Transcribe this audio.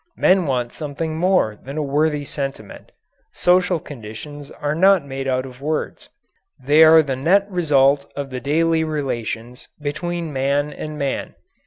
Men want something more than a worthy sentiment. Social conditions are not made out of words. They are the net result of the daily relations between man and man.